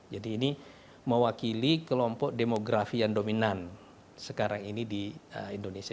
jadi ini mewakili kelompok demografi yang dominan sekarang ini di indonesia